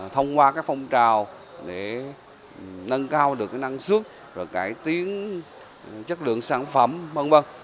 thông qua phong trào để nâng cao được năng suất và cải tiến chất lượng sản phẩm v v